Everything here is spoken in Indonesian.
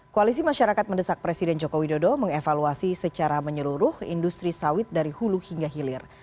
koalisi masyarakat mendesak presiden joko widodo mengevaluasi secara menyeluruh industri sawit dari hulu hingga hilir